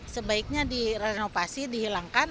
sebaiknya direnovasi dihilangkan